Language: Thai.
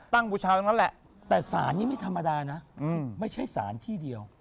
แต่สารยังไม่ธรรมดานะไม่ใช่สารที่เดียว